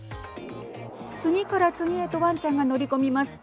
次から次へとワンちゃんが乗り込みます。